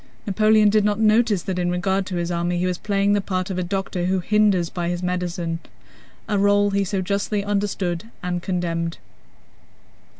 Napoleon did not notice that in regard to his army he was playing the part of a doctor who hinders by his medicines—a role he so justly understood and condemned.